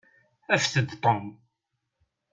Afet-d Tom.